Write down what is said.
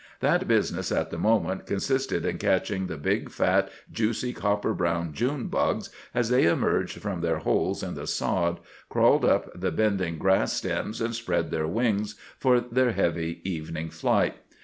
That business, at the moment, consisted in catching the big, fat, juicy, copper brown "June bugs" as they emerged from their holes in the sod, crawled up the bending grass stems, and spread their wings for their heavy evening flight.